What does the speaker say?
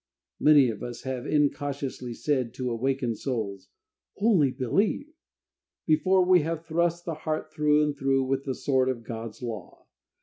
Many of us have incautiously said to awakened souls, "Only believe," before we have thrust the heart through and through with the sword of God's law.